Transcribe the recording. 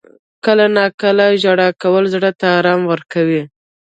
• کله ناکله ژړا کول زړه ته آرام ورکوي.